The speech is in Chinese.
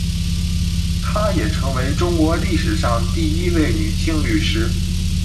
她也成为中国历史上第一位女性律师。